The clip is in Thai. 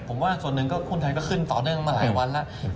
ผมว่าส่วนหนึ่งก็หุ้นไทยก็ขึ้นต่อเนื่องมาหลายวันแล้ว